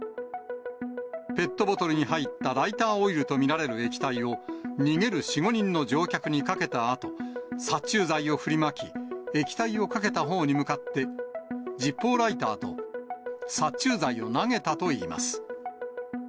ペットボトルに入ったライターオイルと見られる液体を、逃げる４、５人の乗客にかけたあと、殺虫剤を振りまき、液体をかけたほうに向かって、ジッポーライターと殺虫剤を投げたといいます。